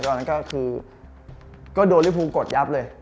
ก่อนนั้นก็คือก็โดลิเวอร์พูลกดยับเลย